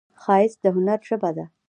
ښایست د هنر ژبه ده